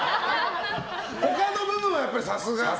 他の部分はやっぱり、さすが。